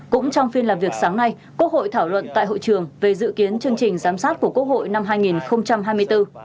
cũng trong phiên làm việc sáng nay quốc hội thảo luận tại hội trường về dự kiến chương trình giám sát của quốc hội năm hai nghìn hai mươi bốn